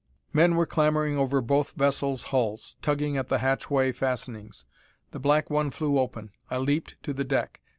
Men were clambering over both vessels' hulls, tugging at the hatchway fastenings. The black one flew open. I leaped to the deck.